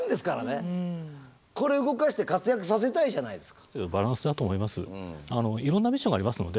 これ動かして活躍させたいじゃないですか。